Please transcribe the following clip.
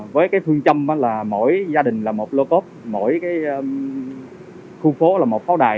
với phương châm là mỗi gia đình là một lô cốt mỗi khu phố là một pháo đài